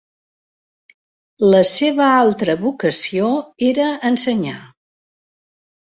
La seva altra vocació era ensenyar.